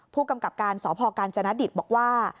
ผู้กำกับการสพกาญจนดิตบอกว่า